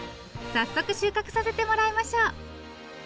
早速収穫させてもらいましょう。